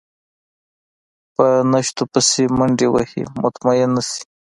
په نشتو پسې منډې وهي مطمئن نه شي.